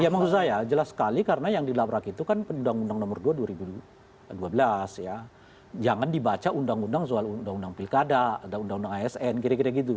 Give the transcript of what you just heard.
ya maksud saya jelas sekali karena yang dilabrak itu kan undang undang nomor dua dua ribu dua belas ya jangan dibaca undang undang soal undang undang pilkada ada undang undang asn kira kira gitu